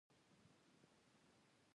هغه وویل: هغه ځای د معمارۍ لپاره نه دی.